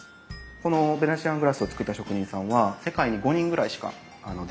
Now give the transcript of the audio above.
このベネチアングラスを作った職人さんは世界に５人ぐらいしかできないといわれている